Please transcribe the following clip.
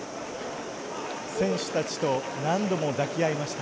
選手たちと何度も抱き合いました。